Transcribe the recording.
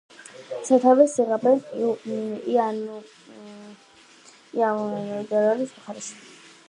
სათავეს იღებს იაუნელგავის მხარეში.